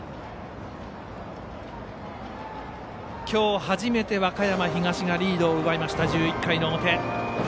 今日初めて和歌山東がリードを奪いました１１回の表。